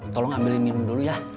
tolong ambilin minum dulu ya